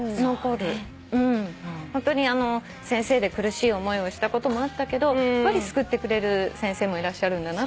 ホントに先生で苦しい思いをしたこともあったけど救ってくれる先生もいらっしゃるんだなっていうのは。